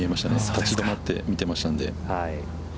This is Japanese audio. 立ち止まって見ていましたんで。